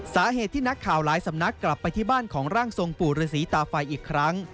สาเหตุที่นักข่าวหลายสำนักกลับไปที่บ้านของร่างทรงปู่ฤษีตาไฟอีกครั้ง